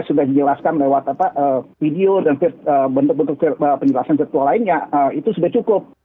sudah dijelaskan lewat video dan bentuk bentuk penjelasan virtual lainnya itu sudah cukup